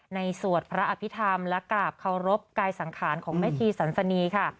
สวดพระอภิษฐรรมและกราบเคารพกายสังขารของแม่ชีสันสนีค่ะ